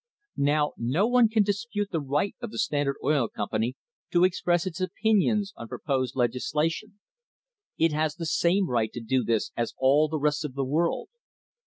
Now, no one can dispute the right of the Standard Oil Company to express its opinions on pro posed legislation. It has the same right to do this as all the rest of the world.